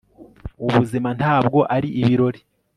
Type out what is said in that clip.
ubuzima, ntabwo ari ibirori